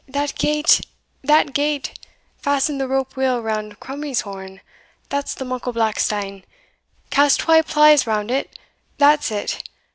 that gate that gate! fasten the rope weel round Crummies horn, that's the muckle black stane cast twa plies round it that's it!